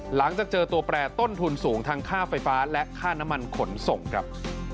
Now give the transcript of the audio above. หลังจากเจอตัวแปรต้นทุนสูงทั้งค่าไฟฟ้าและค่าน้ำมันขนส่งครับ